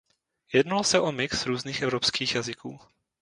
Jednalo se o mix různých evropských jazyků.